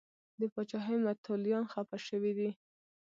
د پاچاهۍ متولیان خفه شوي دي.